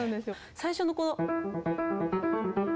最初のこの。